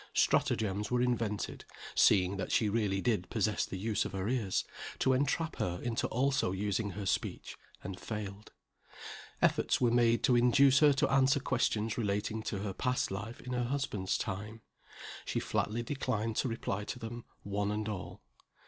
Stratagems were invented (seeing that she really did possess the use of her ears) to entrap her into also using her speech, and failed. Efforts were made to induce her to answer questions relating to her past life in her husband's time. She flatly declined to reply to them, one and all.